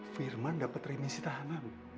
firman dapat remisi tahanan